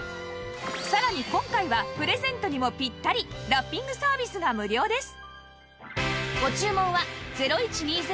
さらに今回はプレゼントにもピッタリラッピングサービスが無料です